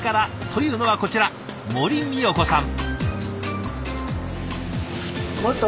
というのはこちら森みよ子さん。